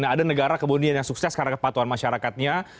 ada negara kemudian yang sukses karena kepatuhan masyarakatnya